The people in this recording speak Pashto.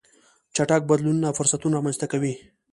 چټک بدلونونه فرصتونه رامنځته کوي.